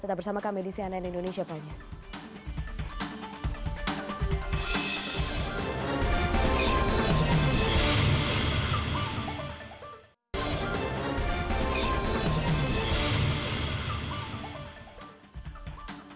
tetap bersama kami di cnn indonesia prime news